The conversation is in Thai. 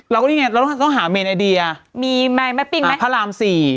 เราก็ต้องหาเมนไอเดียพระราม๔